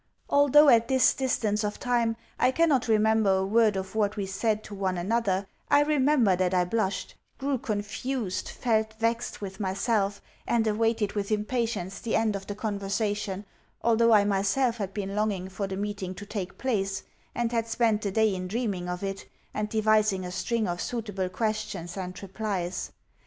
Although, at this distance of time, I cannot remember a word of what we said to one another, I remember that I blushed, grew confused, felt vexed with myself, and awaited with impatience the end of the conversation although I myself had been longing for the meeting to take place, and had spent the day in dreaming of it, and devising a string of suitable questions and replies.